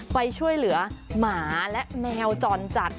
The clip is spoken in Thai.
ไปช่วยเหลือหมาและแมวจรจัด